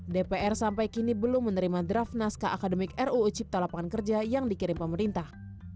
dpr sampai kini belum menerima draft naskah akademik ruu cipta lapangan kerja yang dikirim pemerintah